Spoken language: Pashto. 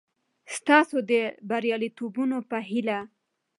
ستاسو د لا بریالیتوبونو په هیله!